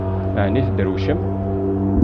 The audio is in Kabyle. Ɛni tedrewcem?